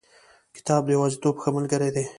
کتاب د یوازیتوب ښه ملګری دی.